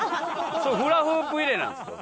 フラフープ入れなんですか？